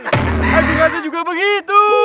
adik adik juga begitu